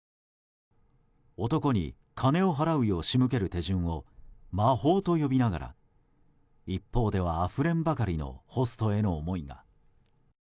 男に金を払うよう仕向ける手順を魔法と呼びながら一方では、あふれんばかりのホストへの思いが。